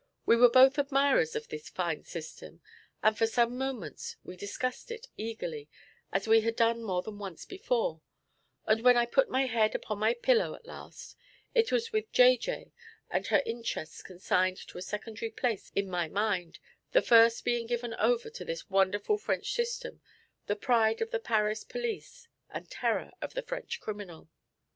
We were both admirers of this fine system, and for some moments we discussed it eagerly, as we had done more than once before; and when I put my head upon my pillow at last, it was with J. J. and her interests consigned to a secondary place in my mind, the first being given over to this wonderful French system, the pride of the Paris police and terror of the French criminal.